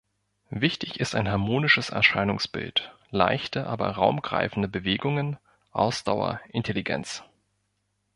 Wichtig ist ein harmonisches Erscheinungsbild, leichte aber raumgreifende Bewegungen, Ausdauer, Intelligenz.